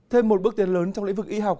thêm một bước tiến lớn trong lĩnh vực y học